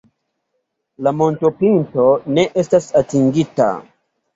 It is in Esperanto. La montopinto ne estas atingita.